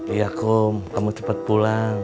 iya kum kamu cepat pulang